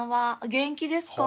元気ですか？